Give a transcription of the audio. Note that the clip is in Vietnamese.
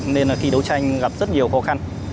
nên khi đấu tranh gặp rất nhiều khó khăn